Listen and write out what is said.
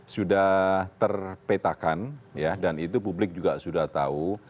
sudah terpetakan dan itu publik juga sudah tahu